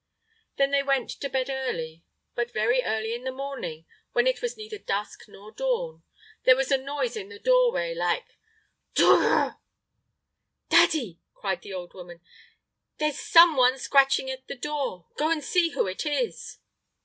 Then they went to bed: but very early in the morning, when it was neither dusk nor dawn, there was a noise in the doorway like "Durrrrrr!" "Daddy!" cried the old woman, "there's some one scratching at the door; go and see who it is!"